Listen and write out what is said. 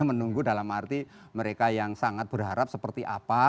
menunggu dalam arti mereka yang sangat berharap seperti apa